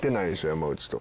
山内と。